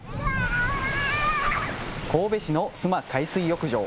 神戸市の須磨海水浴場。